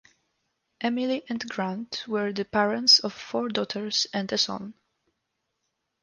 Emily and Grant were the parents of four daughters and a son.